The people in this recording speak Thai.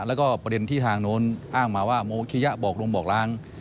แล้วก็ประเด็นที่ทางโน้นอ้างมาว่าโมคิยะบอกลงบอกล้าง